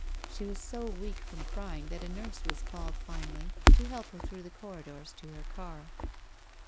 She was so , weak from oying that a nurse was called finally to help her through the corridors to her car.